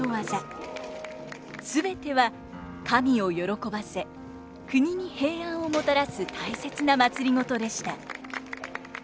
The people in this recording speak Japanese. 全ては神を喜ばせ国に平安をもたらす大切なまつりごとでした。